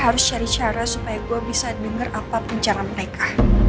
terus cari cara supaya gue bisa denger apa pencarian mereka